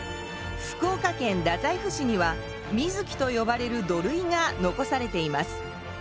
福岡県太宰府市には水城と呼ばれる土塁が残されています。